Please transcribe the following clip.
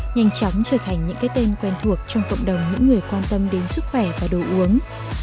nhanh chóng trở thành những cái tên quen thuộc trong cộng đồng những người quan tâm đến sức khỏe và đồ uống